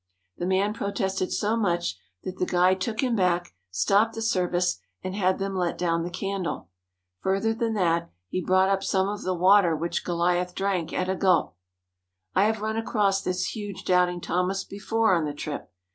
The man protested so much that the guide took him back, stopped the service, and had them let down the candle. Further than that, he brought up some of the water which Goliath drank at a gulp. I have run across this huge doubting Thomas before on the trip.